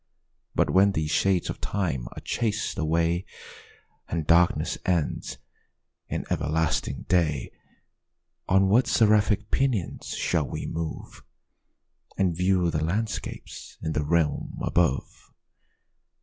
But when these shades of time are chas'd away, And darkness ends in everlasting day, On what seraphic pinions shall we move, And view the landscapes in the realms above?